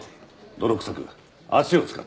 泥くさく足を使って。